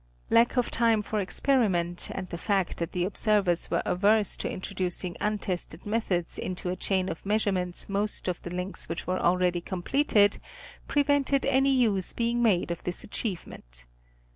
Lack of time for experiment, and the fact that the observers were averse to introducing untested methods into a chain of measure ments most of the links of which were already completed, prevented any use being made of this achievement.